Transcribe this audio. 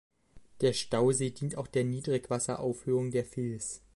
Der Stausee dient auch der Niedrigwasseraufhöhung der Fils.